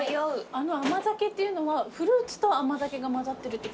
あの甘酒っていうのはフルーツと甘酒が混ざってるってことなんですか？